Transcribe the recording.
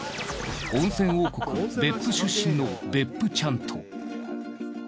温泉王国別府出身の別府ちゃんと。